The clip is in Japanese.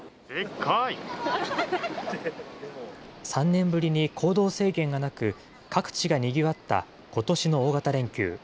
３年ぶりに行動制限がなく、各地がにぎわったことしの大型連休。